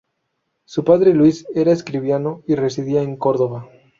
Su padre Luis era escribano y residía en Córdoba.